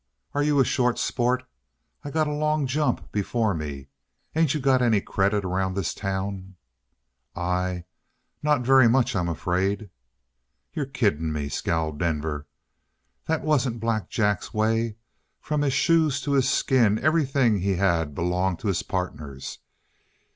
Are you a short sport? I got a long jump before me. Ain't you got any credit around this town?" "I not very much, I'm afraid." "You're kidding me," scowled Denver. "That wasn't Black Jack's way. From his shoes to his skin everything he had belonged to his partners.